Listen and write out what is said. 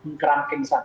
di kerangka misalnya